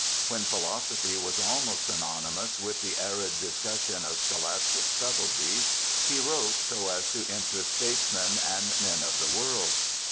When philosophy was almost synonymous with the arid dis cussion of scholastic subtleties he wrote so as to interest statesmen and men of the world.